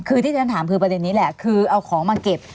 คือที่ประเด็่นนี้แหล่ะคือเอาของมาเก็บ